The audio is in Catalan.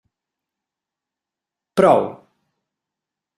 Prou.